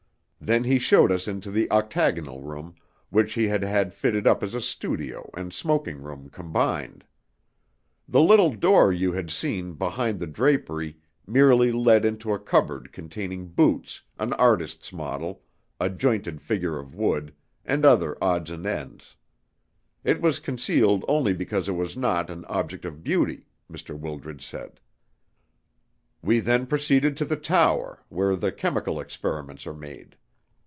Then he showed us into the octagonal room, which he had had fitted up as a studio and smoking room combined. The little door you had seen behind the drapery merely led into a cupboard containing boots, an artist's model a jointed figure of wood and other odds and ends. It was concealed only because it was not 'an object of beauty,' Mr. Wildred said. "We then proceeded to the tower, where the chemical experiments are made.